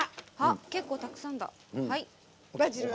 結構たくさんだ。